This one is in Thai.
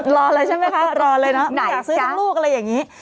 รอเลยใช่ไหมคะรอเลยนะไม่อยากซื้อทั้งลูกอะไรอย่างนี้